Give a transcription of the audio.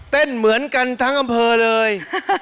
เหมือนกันทั้งอำเภอเลย